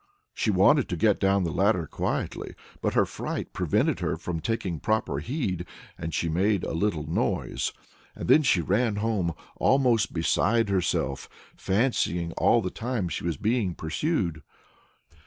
She wanted to get down the ladder quietly, but her fright prevented her from taking proper heed, and she made a little noise. Then she ran home almost beside herself, fancying all the time she was being pursued.